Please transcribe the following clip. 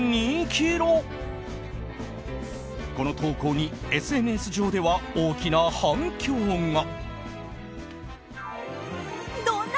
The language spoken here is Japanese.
この投稿に、ＳＮＳ上では大きな反響が。